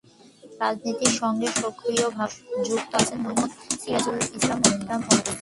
রাজনীতির সঙ্গে সক্রিয় ভাবে যুক্ত আছেন মো: সিরাজুল ইসলাম মোল্লা।